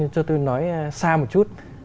cho tôi nói xa một chút